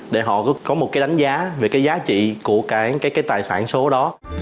để họ có một cái đánh giá về cái giá trị của cái tài sản số đó